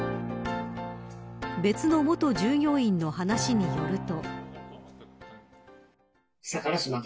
別の元従業員の話によると。